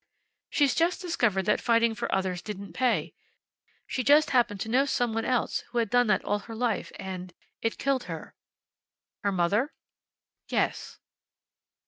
"She just discovered that fighting for others didn't pay. She just happened to know some one else who had done that all her life and it killed her." "Her mother?" "Yes."